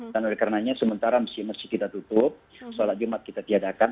dan oleh karenanya sementara masih kita tutup salat jumat kita tiadakan